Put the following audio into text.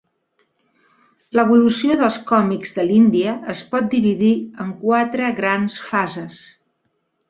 L'evolució dels còmics de l'Índia es pot dividir en quatre grans fases.